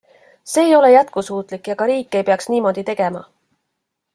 See ei ole jätkusuutlik ja ka riik ei peaks niimoodi tegema.